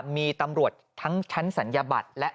ปี๖๕วันเช่นเดียวกัน